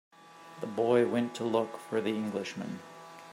The boy went to look for the Englishman.